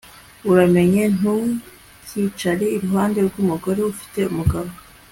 uramenye ntukicare iruhande rw'umugore ufite umugabo